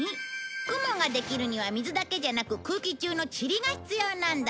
雲ができるには水だけじゃなく空気中のチリが必要なんだ。